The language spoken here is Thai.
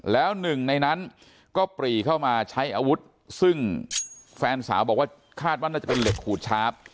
แล้วหนึ่งในนั้นก็ปรีเข้ามาใช้อาวุธซึ่งแฟนสาวบอกว่าคาดว่าน่าจะเป็นเหล็กขูดชาร์ฟ